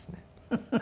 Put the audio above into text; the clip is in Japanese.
フフフフ。